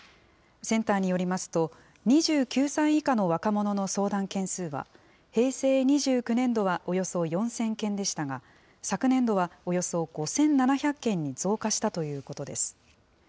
センターによりますと、２９歳以下の若者の相談件数は、平成２９年度はおよそ４０００件でしたが、昨年度はおよそ５７００件に増加したということです。